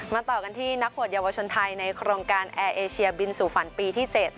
ต่อกันที่นักบวชเยาวชนไทยในโครงการแอร์เอเชียบินสู่ฝันปีที่๗